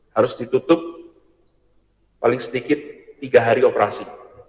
harus ditutup paling sedikit tiga hari operasi